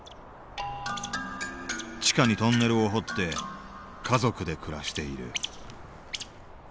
地下にトンネルを掘って家族で暮らしている。